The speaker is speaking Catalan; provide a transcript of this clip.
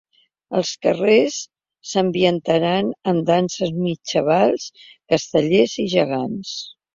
Els carrers s’ambientaran amb danses medievals, castellers i gegants.